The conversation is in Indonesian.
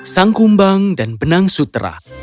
sang kumbang dan benang sutera